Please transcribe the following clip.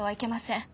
ん？